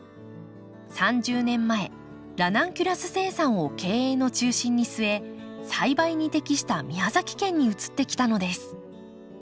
３０年前ラナンキュラス生産を経営の中心に据え栽培に適した宮崎県に移ってきたのです。